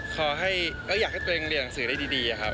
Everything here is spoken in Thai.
ขอให้อยากให้ตัวเองเรียนหนังสือได้ดีครับ